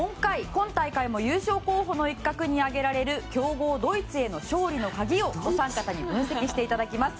今大会も優勝候補の一角に挙げられる強豪ドイツへの勝利の鍵を分析していただきます。